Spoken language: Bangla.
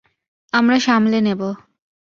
আমরা সামলে নেবো।